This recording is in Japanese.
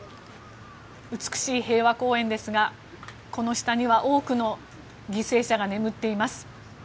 美しい平和公園ですがこの下には多くの犠牲者が眠っています。